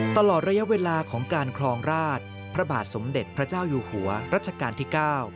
ตลอดระยะเวลาของการครองราชพระบาทสมเด็จพระเจ้าอยู่หัวรัชกาลที่๙